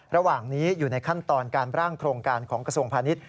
ระหว่างนี้อยู่ในขั้นตอนการร่างโครงการของกระทรวงพาณิชย